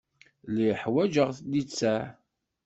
Lliɣ ḥwaǧeɣ littseɛ.